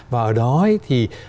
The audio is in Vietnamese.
và ở đó thì